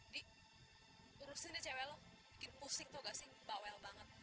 di urusin deh cewe lo bikin pusing tau gak sih bawel banget